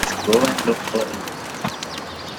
Let's go and look for him!